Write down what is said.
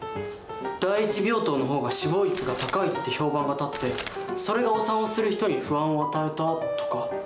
第一病棟の方が死亡率が高いって評判が立ってそれがお産をする人に不安を与えたとか。